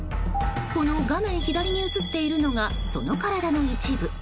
この画面左に映っているのがその体の一部。